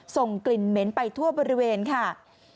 ส่งกลิ่นเหม็นไปทั่วบริเวณค่ะ